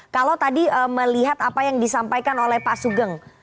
kalau tadi melihat apa yang disampaikan oleh pak sugeng